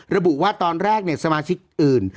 ระบุว่าตอนแรกสมาชิกอื่น